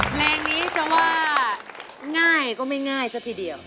เพลงนี้จะว่าง่ายก็ไม่ง่ายซะทีเดียว